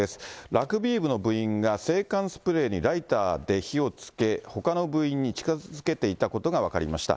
ラグビー部の部員が制汗スプレーにライターで火をつけ、ほかの部員に近づけていたことが分かりました。